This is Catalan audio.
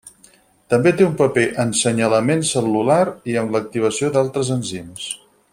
També té un paper en senyalament cel·lular i l'activació d'altres enzims.